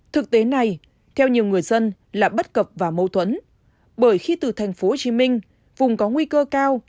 thực tế này theo nhiều người dân là bất cập và mâu thuẫn bởi khi từ tp hcm vùng có nguy cơ cao